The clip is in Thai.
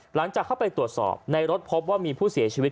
หลังจากเข้าไปตรวจสอบในรถพบว่ามีผู้เสียชีวิต